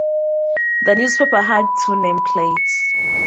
The newspaper had two nameplates.